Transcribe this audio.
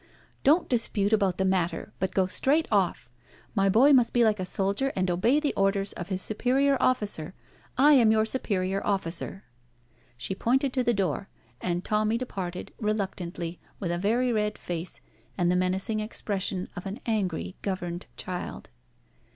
"Don't dispute about the matter, but go straight off. My boy must be like a soldier and obey the orders of his superior officer. I am your superior officer." She pointed to the door, and Tommy departed reluctantly, with a very red face, and the menacing expression of an angry, governed child.